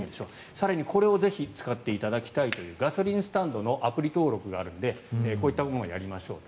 更に、これをぜひ使っていただきたいというガソリンスタンドのアプリ登録があるのでこういった部分はやりましょうと。